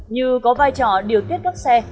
như có vai trò điều kiết các xe